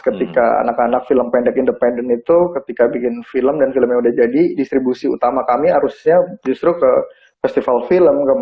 ketika anak anak film pendek independen itu ketika bikin film dan filmnya udah jadi distribusi utama kami harusnya justru ke festival film